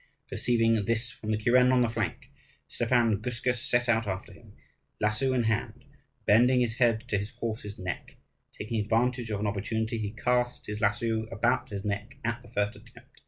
Perceiving this from the kuren on the flank, Stepan Guska set out after him, lasso in hand, bending his head to his horse's neck. Taking advantage of an opportunity, he cast his lasso about his neck at the first attempt.